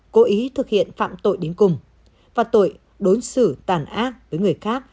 cố ý thực hiện phạm tội đến cùng và tội đối xử tàn ác với người khác